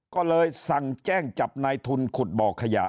ก็เลยสั่งแจ้งจับนายทุนขุดบ่อขยะ